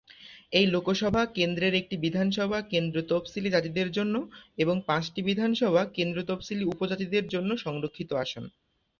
এই লোকসভা কেন্দ্রের একটি বিধানসভা কেন্দ্র তফসিলী জাতিদের জন্য এবং পাঁচটি বিধানসভা কেন্দ্র তফসিলী উপজাতিদের জন্য সংরক্ষিত আসন।